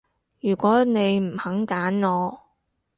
如果你唔肯揀我